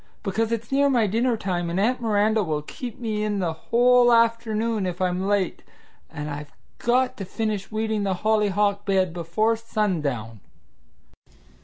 Because it's near my dinner time and Aunt Miranda will keep me in the whole afternoon if I'm late, and I've got to finish weeding the hollyhock bed before sundown."